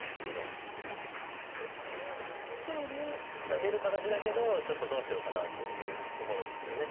だから出る形だけどちょっとどうしようかなというところですよね。